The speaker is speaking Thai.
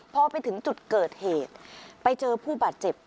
พอไปถึงจุดเกิดเหตุไปเจอผู้บาดเจ็บ